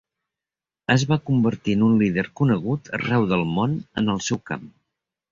Es va convertir en un líder conegut arreu del món en el seu camp.